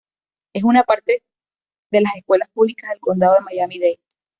Es una parte de las Escuelas Públicas del Condado de Miami-Dade.